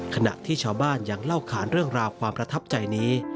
ขณะที่ชาวบ้านยังเล่าขานเรื่องราวความประทับใจนี้